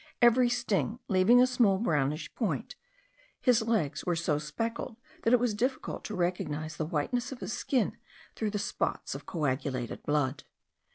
Every sting leaving a small darkish brown point, his legs were so speckled that it was difficult to recognize the whiteness of his skin through the spots of coagulated blood.